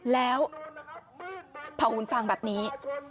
แล้วพระหุ่นฟางแบบนี้